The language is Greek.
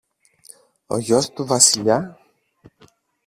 Ο γιος του Βασιλιά;